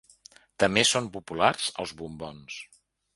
També són populars els bombons.